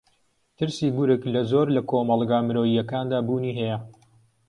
ترسی گورگ لە زۆر لە کۆمەڵگا مرۆیییەکاندا بوونی ھەیە